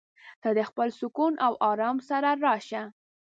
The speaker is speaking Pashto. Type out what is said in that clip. ته د خپل سکون او ارام سره راشه.